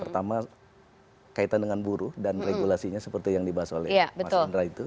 pertama kaitan dengan buruh dan regulasinya seperti yang dibahas oleh mas andra itu